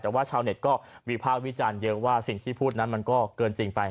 แต่ว่าชาวเน็ตก็วิภาควิจารณ์เยอะว่าสิ่งที่พูดนั้นมันก็เกินจริงไป